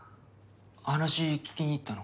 話聞きにいったの？